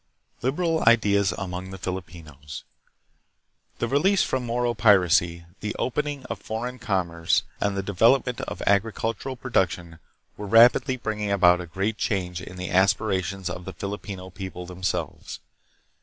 1 Liberal Ideas among the Filipinos. The release from Moro piracy, the opening of foreign commerce, and the development of agricultural production were rapidly bring ing about a great change in the aspirations of the Filipino people themselves.